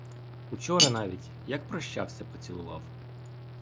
Учора навіть, як прощався, — поцілував.